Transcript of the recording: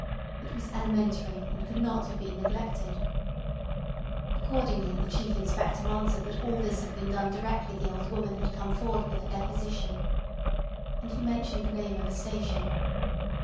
It was elementary, and could not have been neglected. Accordingly the Chief Inspector answered that all this had been done directly the old woman had come forward with her deposition. And he mentioned the name of a station.